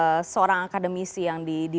ada tulisan opini seorang akademisi yang dimuatkan